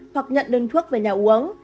hoặc nhận đơn thuốc về nhà uống